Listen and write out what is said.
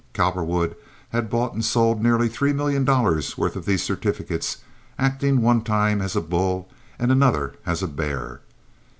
Cowperwood had bought and sold nearly three million dollars' worth of these certificates, acting one time as a "bull" and another as a "bear."